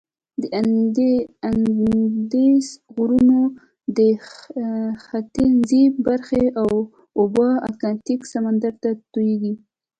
د اندیزد غرونو د ختیځي برخې اوبه اتلانتیک سمندر ته تویږي.